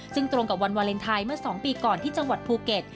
ซึ่งตรงกับวันวาเลนไทยเมื่อ๒ปีก่อนที่จังหวัดภูเก็ต